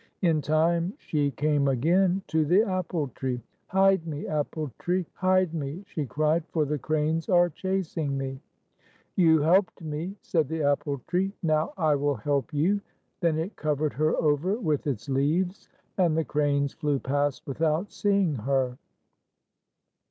In time, she came again to the apple tree. "Hide me, apple tree! Hide me," she cried, "for the cranes are chasing me !" "You helped me," said the apple tree. "Now I will help you." Then it covered her over with its leaves, and the cranes flew past without see ing her.